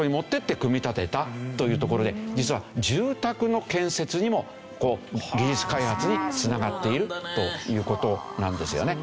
組み立てたというところで実は住宅の建設にも技術開発に繋がっているという事なんですよね。